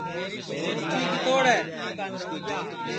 کُونٚچی کِتوڑ ہے